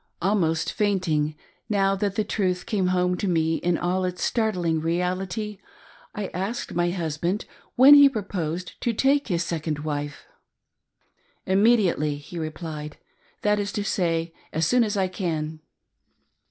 Almost fainting, now that the truth came home to me in all its startling reality, I asked my husband when he proposed to, take his second wife. HALTING BETWEEN TWO OPINIONS. 429 " Immediately," he replied, " that is to say, as soon as I can."